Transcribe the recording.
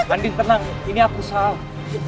banding tenang ini aku salah